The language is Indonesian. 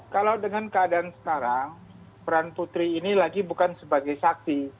kalau dengan keadaan sekarang peran putri ini lagi bukan sebagai saksi